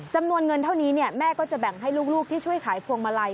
จำนวนเงินเท่านี้แม่ก็จะแบ่งให้ลูกที่ช่วยขายพวงมาลัย